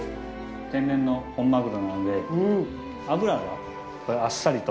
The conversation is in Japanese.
天然の本マグロなので、脂があっさりと。